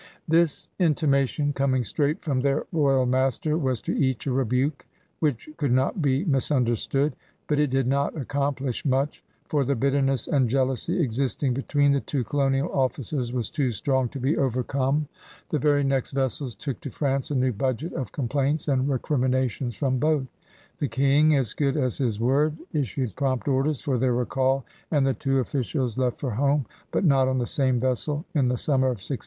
This intimation, coming straight from their royal master, was to each a rebuke which could not be misunderstood. But it did not accomplish much, for the bitterness and jealousy existing between the two colonial ofBcers was too strong to be overcome. The very next vessels took to France a new budget of complaints and recrimi nations from both. The King, as good as his word, issued prompt orders for their recall and the two officials left for home, but not on the same vessel, in the summer of 1682.